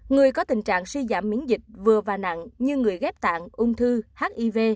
người có tình trạng suy giảm miễn dịch vừa và nặng như người ghép tạng ung thư hiv